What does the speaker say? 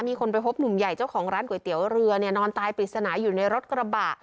มีคนไปพบหนุ่มใหญ่เจ้าของร้านก๋วยเตี๋ยวเรือเนี่ยนอนตายปริศนาอยู่ในรถกระบะ